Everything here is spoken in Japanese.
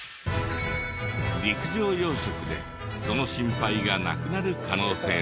陸上養殖でその心配がなくなる可能性も。